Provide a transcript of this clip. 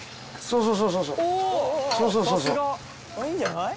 「いいんじゃない？」